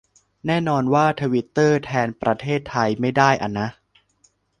แน่นอนว่าทวิตเตอร์แทนประเทศไทยไม่ได้อะนะ